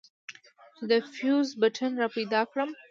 چې د فيوز بټن راپيدا کړم.